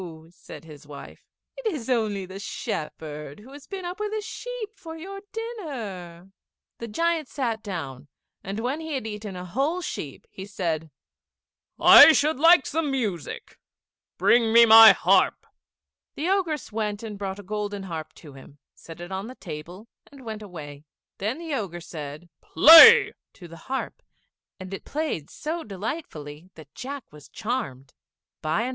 said his wife, "it is only the shepherd, who has been up with a sheep for your dinner." The giant sat down, and when he had eaten a whole sheep he said, "I should like some music; bring me my harp." The Ogress went and brought a golden harp to him, set it on the table, and went away. Then the Ogre said, "Play," to the harp, and it played so delightfully that Jack was charmed. [Illustration: JACK TAKES THE TALKING HARP.